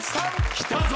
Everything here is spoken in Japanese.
きたぞ！